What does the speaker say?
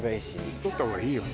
太った方がいいよ。